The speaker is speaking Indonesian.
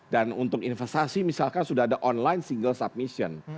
dan untuk investasi misalkan sudah ada online single submission